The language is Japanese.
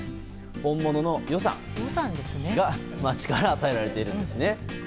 本物の予算が町から与えられているんですね。